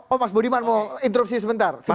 oh mas budiman mau interupsi sebentar